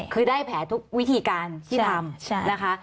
คือได้แผลทุกวิธีการที่ทำนะคะ